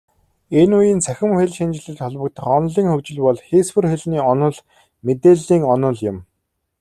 Энэ үеийн цахим хэлшинжлэлд холбогдох онолын хөгжил бол хийсвэр хэлний онол, мэдээллийн онол юм.